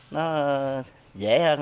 nó dễ hơn